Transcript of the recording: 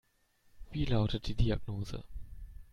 Wie lautet die Diagnose?